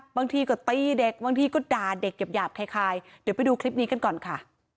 บางทีก็ตี้เด็กบางทีก็ด่าเด็กหยาบคลิปนี้กันก่อนค่ะ